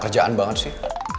kerjaan banget sih